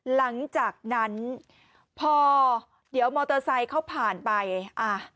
หลังจากนั้นพอเดี๋ยวมอเตอร์ไซค์เขาผ่านไปอ่า